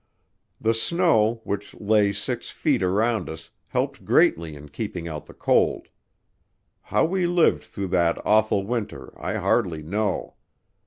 The snow, which lay six feet around us, helped greatly in keeping out the cold. How we lived through that awful winter I hardly know.